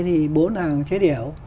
thì bốn hàng chế điểu